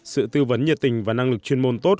sự tư vấn nhiệt tình và năng lực chuyên môn tốt